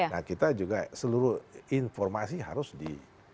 nah kita juga seluruh informasi harus di